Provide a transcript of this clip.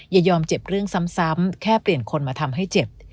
อย่ายอมเจ็บเรื่องซ้ำแค่เปลี่ยนคนมาทำให้เจ็บ